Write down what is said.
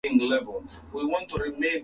nikikuaga kutoka dar es salaam tanzania